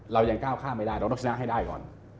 เรายังก้าวข้ามไม่ได้เราต้องชนะให้ได้ก่อน